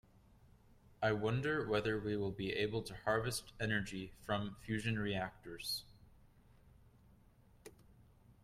I wonder whether we will be able to harvest energy from fusion reactors.